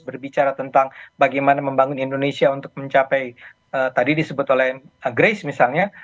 berbicara tentang bagaimana membangun indonesia untuk mencapai tadi disebut oleh grace misalnya